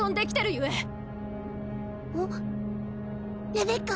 レベッカ